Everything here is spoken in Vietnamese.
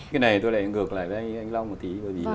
cái này tôi lại ngược lại với anh long một tí